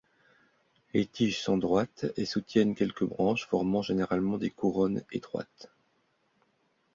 Les tiges sont droites et soutiennent quelques branches formant généralement des couronnes étroites.